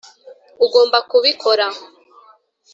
ugomba kubikora.